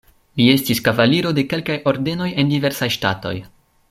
Li estis kavaliro de kelkaj ordenoj en diversaj ŝtatoj.